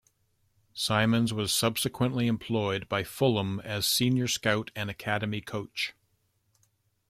Symons was subsequently employed by Fulham as Senior Scout and Academy Coach.